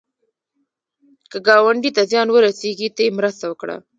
که ګاونډي ته زیان ورسېږي، ته یې مرسته وکړه